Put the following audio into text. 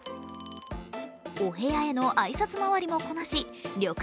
お部屋への挨拶回りもこなし旅館